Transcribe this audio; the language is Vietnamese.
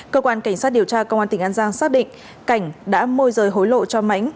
cơ quan cảnh sát điều tra công an tỉnh an giang xác định cảnh đã môi rời hối lộ cho mãnh